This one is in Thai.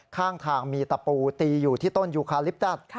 ข้างทางมีตะปูตีอยู่ที่ต้นยูคาลิปตัส